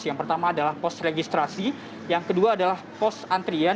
yang pertama adalah pos registrasi yang kedua adalah pos antrian